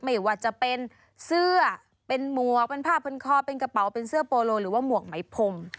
ไม่ว่าจะเป็นเสื้อเป็นหมวกเป็นผ้าพันคอเป็นกระเป๋าเป็นเสื้อโปโลหรือว่าหมวกไหมพรม